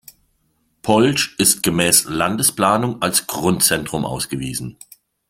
Polch ist gemäß Landesplanung als Grundzentrum ausgewiesen.